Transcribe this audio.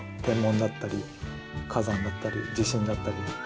天文だったり火山だったり地震だったり。